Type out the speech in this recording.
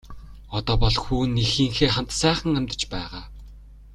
Одоо бол хүү нь эхийнхээ хамт сайхан амьдарч байгаа.